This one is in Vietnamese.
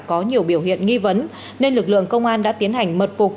có nhiều biểu hiện nghi vấn nên lực lượng công an đã tiến hành mật phục